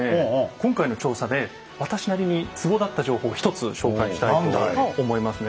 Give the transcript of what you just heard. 今回の調査で私なりにツボだった情報を１つ紹介したいと思いますね。